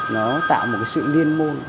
nó tạo một cái sự hào hứng